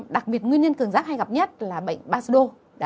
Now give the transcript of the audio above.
đặc biệt nguyên nhân cường giáp hay gặp nhất là bệnh basdo